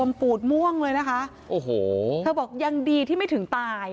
ปูดม่วงเลยนะคะโอ้โหเธอบอกยังดีที่ไม่ถึงตาย